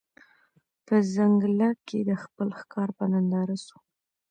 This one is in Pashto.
په ځنګله کي د خپل ښکار په ننداره سو